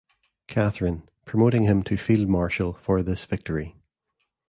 Catherine, promoting him to Field Marshal for this victory.